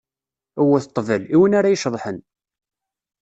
Wwet ṭṭbel, i win ara iceḍḥen!